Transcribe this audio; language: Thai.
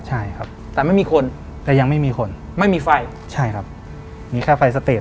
ใช่ครับแต่ไม่มีคนแต่ยังไม่มีคนไม่มีไฟใช่ครับมีแค่ไฟสเตจ